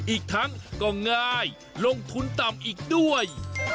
อีกทั้งก็ง่ายลงทุนต่ำอีกด้วย